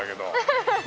ハハハッ。